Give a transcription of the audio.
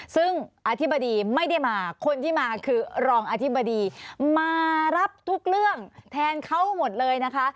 ซึ่งอธิบดีไม่ได้มาคนที่มาคือรองอธิบดีมารับทุกเรื่องแทนเขาหมดเลยนะคะ